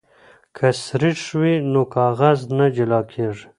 که سريښ وي نو کاغذ نه جلا کیږي.